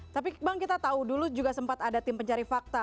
tapi bang kita tahu dulu juga sempat ada tim pencari fakta